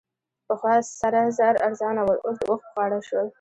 پخوا سره زر ارزانه ول؛ اوس د اوښ په غاړه شول.